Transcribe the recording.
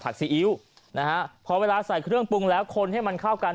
ซีอิ๊วนะฮะพอเวลาใส่เครื่องปรุงแล้วคนให้มันเข้ากัน